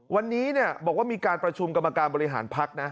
วันนี้บอกว่ามีการประชุมกรรมการบริหารพักนะ